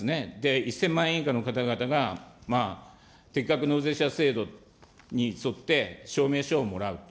１０００万円以下の方々が、適格納税者制度に沿って証明書をもらう。